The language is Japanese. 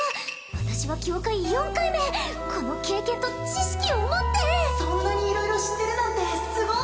私は境界４回目この経験と知識をもってそんなに色々知ってるなんてすごい！